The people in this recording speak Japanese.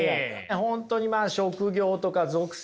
本当にまあ職業とか属性をね